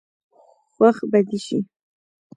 خوښ به دي شي.